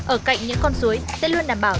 ở cạnh những con suối sẽ luôn đảm bảo